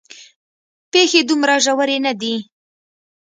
پېښې دومره ژورې نه دي.